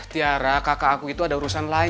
tiara kakak aku itu ada urusan lain